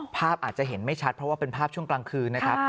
ภาพอาจจะเห็นไม่ชัดเพราะว่าเป็นภาพช่วงกลางคืนนะครับ